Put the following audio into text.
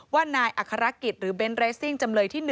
ว่านายอฯหรือเบนส์เรสซิ่งจำเลยที่๑